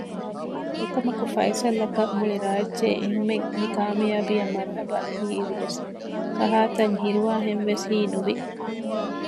އެކަމަކު ފައިސަލްއަކަށް މުޅިރާއްޖޭ އެންމެން މިކާމިޔާބީއަށް މަރުހަބާ ކީއިރުވެސް ކަހާތަން ހިރުވާހެންވެސް ހީނުވި